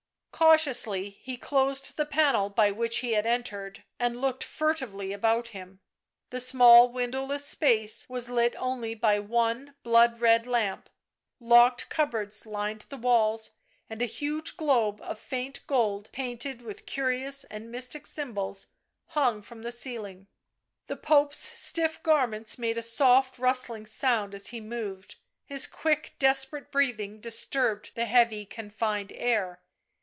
Cautiously he closed the panel by which he had entered, and looked furtively about him. The small windowless space was lit only by one blood red lamp, locked cup boards lined the walls, and a huge globe of faint gold, painted with curious and mystic signs, hung from the ceiling. The Pope's stiff garments made a soft rustling sound as he moved ; his quick desperate breathing dis turbed the heavy confined air.